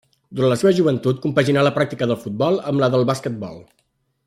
Durant la seva joventut compaginà la pràctica del futbol amb la del basquetbol.